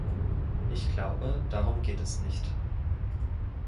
Ich glaube, darum geht es nicht.